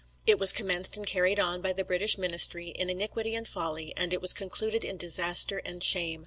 It was commenced and carried on by the British ministry in iniquity and folly, and it was concluded in disaster and shame.